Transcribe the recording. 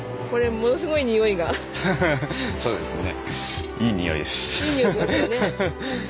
そうですね。